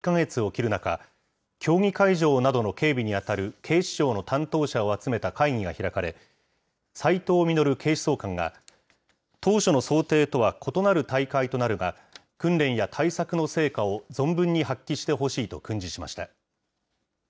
東京オリンピックの開幕まで１か月を切る中、競技会場などの警備に当たる警視庁の担当者を集めた会議が開かれ、斉藤実警視総監が、当初の想定とは異なる大会となるが、訓練や対策の成果を存分に発揮してほしいと訓示しました。